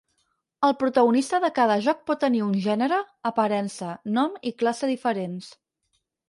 El protagonista de cada joc pot tenir un gènere, aparença, nom i classe diferents.